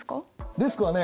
デスクはね